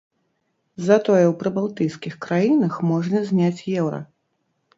Затое ў прыбалтыйскіх краінах можна зняць еўра.